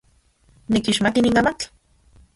¿Tikixmati nin amatl?